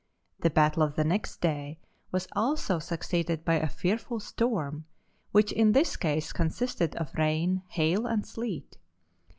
The battle of the next day was also succeeded by a fearful storm, which in this case consisted of rain, hail and sleet.